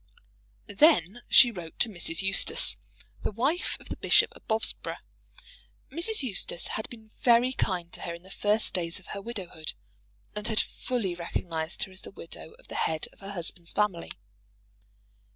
Then she wrote to Mrs. Eustace, the wife of the Bishop of Bobsborough. Mrs. Eustace had been very kind to her in the first days of her widowhood, and had fully recognised her as the widow of the head of her husband's family.